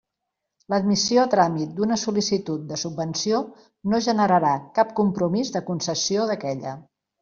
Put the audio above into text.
L'admissió a tràmit d'una sol·licitud de subvenció no generarà cap compromís de concessió d'aquella.